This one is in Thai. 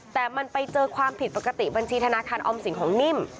แต่มันไปเจอความผิดปกติบัญชีธนาคารออมสินของนิ่ม